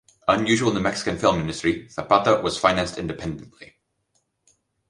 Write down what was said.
Unusual in the Mexican film industry, "Zapata" was financed independently.